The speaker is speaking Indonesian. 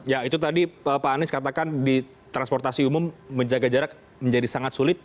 ya itu tadi pak anies katakan di transportasi umum menjaga jarak menjadi sangat sulit